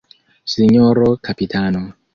Sinjoro kapitano!